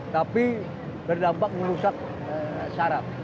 tapi berdampak melusak syarat